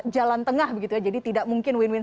jalan tengah jadi tidak mungkin win win